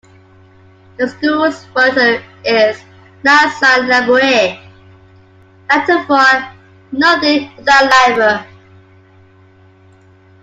The school's motto is "Nil Sine Labore", Latin for "Nothing Without Labour".